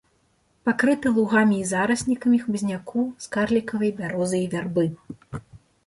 Пакрыты лугамі і зараснікамі хмызняку з карлікавай бярозы і вярбы.